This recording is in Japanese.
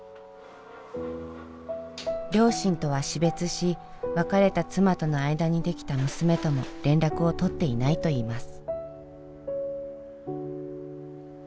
両親とは死別し別れた妻との間にできた娘とも連絡を取っていないといいます。